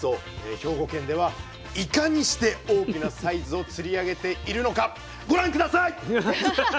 兵庫県では「イカ」にして大きなサイズを釣り上げているのかご覧下さい！